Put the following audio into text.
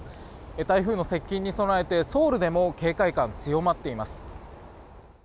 台風の接近に備えてソウルでも警戒感が強まっています。